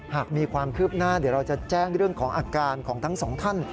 หากมีความคืบหน้าเดี๋ยวเราจะแจ้งเรื่องของอาการของทั้งสองท่าน